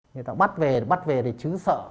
người ta bắt về thì chứ sợ